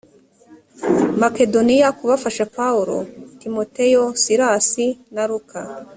makedoniya kubafasha pawulo timoteyo silasi na luka